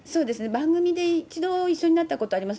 番組で一度一緒になったことがあります。